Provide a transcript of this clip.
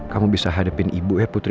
kamu bisa hadepin ibu ya putri